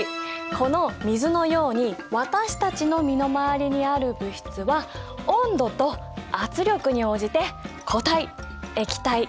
この水のように私たちの身の回りにある物質は温度と圧力に応じて固体液体気体のいずれかの状態をとる。